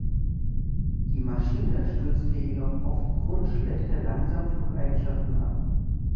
Die Maschine stürzte jedoch aufgrund schlechter Langsamflugeigenschaften ab.